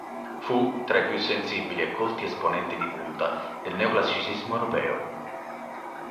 Fu tra i più sensibili e colti esponenti di punta del pieno Neoclassicismo europeo.